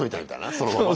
そのまま。